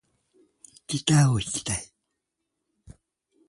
ギター弾きたい